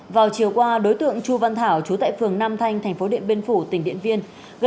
vào chiều qua đối tượng chu văn thảo chú tại phường nam thanh tp điện biên phủ tỉnh điện viên